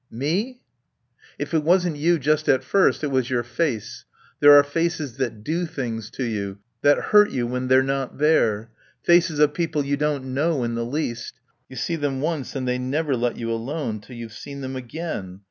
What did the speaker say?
"Me?" "If it wasn't you just at first it was your face. There are faces that do things to you, that hurt you when they're not there. Faces of people you don't know in the least. You see them once and they never let you alone till you've seen them again.